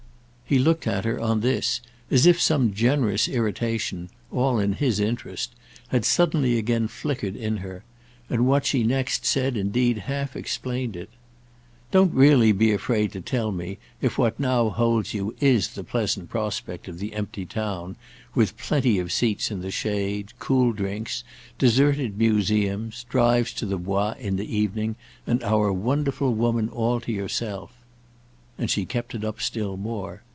He looked at her, on this, as if some generous irritation—all in his interest—had suddenly again flickered in her; and what she next said indeed half explained it. "Don't really be afraid to tell me if what now holds you is the pleasant prospect of the empty town, with plenty of seats in the shade, cool drinks, deserted museums, drives to the Bois in the evening, and our wonderful woman all to yourself." And she kept it up still more.